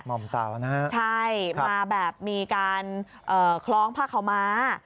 หม่อมตาวนะครับใช่มาแบบมีการคล้องภาคเขามา